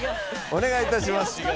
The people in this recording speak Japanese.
お願いいたします。